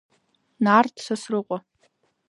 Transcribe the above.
Нарҭ Сасрыҟәа.